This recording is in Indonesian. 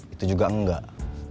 itu juga enggak